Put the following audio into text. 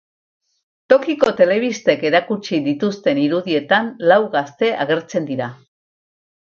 Tokiko telebistek erakutsi dituzten irudietan lau gazte agertzen dira.